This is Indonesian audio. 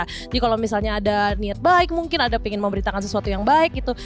jadi kalau misalnya ada niat baik mungkin ada pengen memberitakan sesuatu yang baik gitu